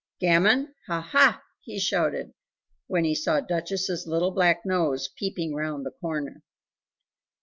"Gammon, ha, HA!" he shouted when he saw Duchess's little black nose peeping round the corner.